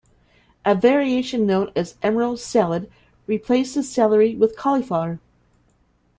A variation known as an Emerald Salad replaces celery with cauliflower.